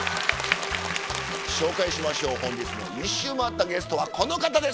紹介しましょう本日の１周回ったゲストはこの方です！